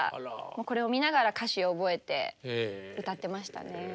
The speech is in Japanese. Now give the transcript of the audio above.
これを見ながら歌詞を覚えて歌ってましたね。